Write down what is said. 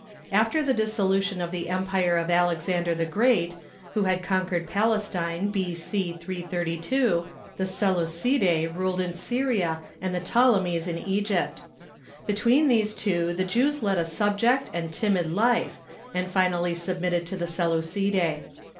After the dissolution of the empire of Alexander the Great, Avho had conquered Palestine b.c. 332, the Seleucidre ruled in Syria and the Ptolemies in Egypt, Between these tAVO the Jews led a subject and timid life, and finally submitted to the Seleucidoe.